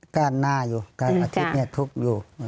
ก็หน้าอยู่อาทิตย์ทุกอยู่